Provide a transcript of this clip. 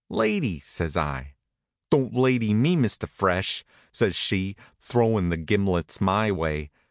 "Lady " says I. "Don't lady me, Mr. Fresh," says she, throwin' the gimlets my way.